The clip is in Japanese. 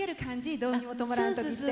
「どうにもとまらない」の時って。